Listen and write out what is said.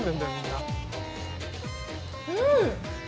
うん！